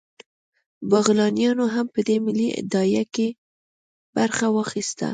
بغلانیانو هم په دې ملي داعیه کې برخه واخیسته